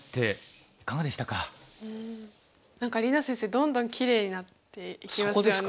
どんどんきれいになっていきますよね。